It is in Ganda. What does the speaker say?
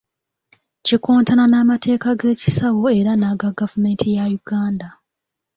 Kikontana n’amateeka g’ekisawo era n’aga gavumenti ya Uganda.